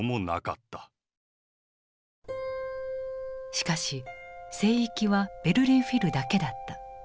しかし聖域はベルリン・フィルだけだった。